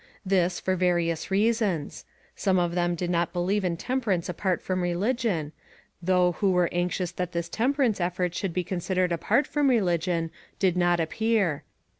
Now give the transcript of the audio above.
This, for various rea sons. Some of them did not believe in temperance apart from religion, though who were anxious that this temperance effort should be considered apart from religion, did not appear.